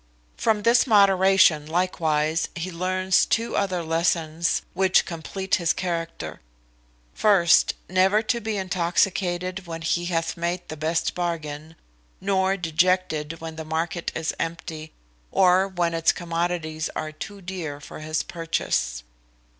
From this moderation, likewise, he learns two other lessons, which complete his character. First, never to be intoxicated when he hath made the best bargain, nor dejected when the market is empty, or when its commodities are too dear for his purchase.